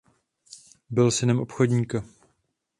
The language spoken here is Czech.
Byl synem obchodníka.